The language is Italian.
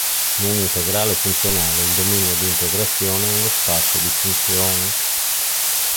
In un integrale funzionale il dominio di integrazione è uno spazio di funzioni.